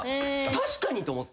確かにと思って。